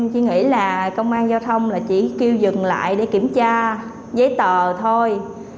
công an và giao thông chỉ kêu dừng lại để kiểm tra giấy tờ thôi